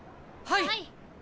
はい！